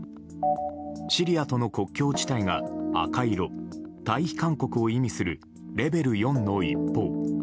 シリアとの国境地帯が赤色、退避勧告を意味するレベル４の一方